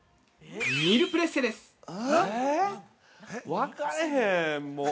◆分かれへん、もう。